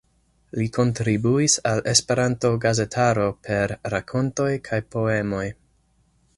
Li kontribuis al Esperanto-gazetaro per rakontoj kaj poemoj.